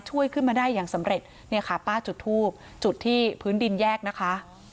ช่วยขึ้นมาได้อย่างสำเร็จเนี่ยค่ะป้าจุดทูบจุดที่พื้นดินแยกนะคะ